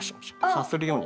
さするように。